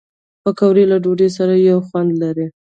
پکورې له ډوډۍ سره یو خوند لري